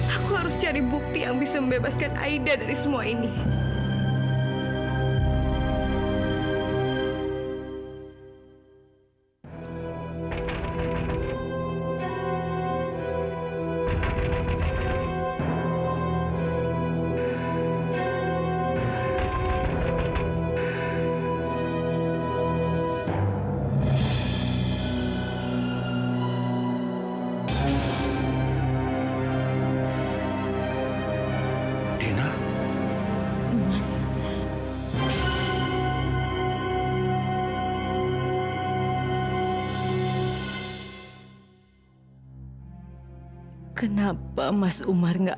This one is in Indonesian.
aku harus ke tempat itu lagi